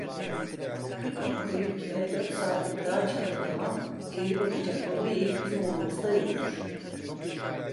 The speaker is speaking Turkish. Kırk okka yükle dört saatlik dağa çıkan adama eğri bakacak babayiğit bizim obamızda yoktur.